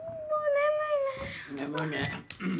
眠いね。